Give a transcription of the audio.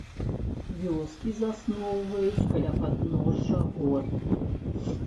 Вёскі засноўваюць каля падножжа гор.